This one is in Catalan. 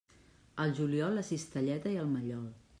Al juliol, la cistelleta i el mallol.